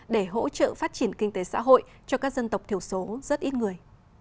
để hỗ trợ phát triển kinh tế xã hội cho các dân tộc thiểu số rất ít người